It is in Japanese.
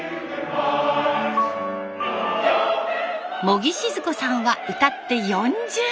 茂木静子さんは歌って４０年。